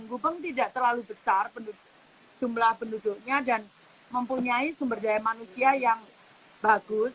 gubeng tidak terlalu besar jumlah penduduknya dan mempunyai sumber daya manusia yang bagus